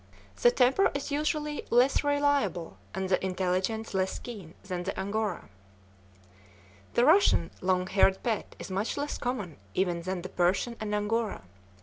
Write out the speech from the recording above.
The temper is usually less reliable and the intelligence less keen than the Angora. The Russian long haired pet is much less common even than the Persian and Angora.